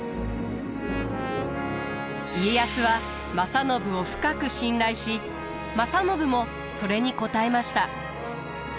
家康は正信を深く信頼し正信もそれに応えました。